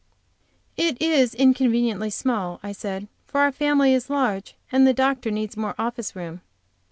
"It is inconveniently small," I said, "for our family is large and the doctor needs more office room."